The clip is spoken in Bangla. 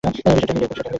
বিষয়টা আমি দেখব।